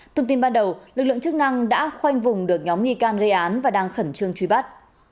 thông tin ban đầu lực lượng chức năng đã khoanh vùng được nhóm nghi can gây án và đang khẩn trương truy bắt